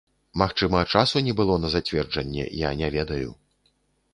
Магчыма, часу не было на зацверджанне, я не ведаю!